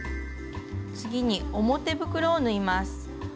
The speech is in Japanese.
次に表袋を縫います。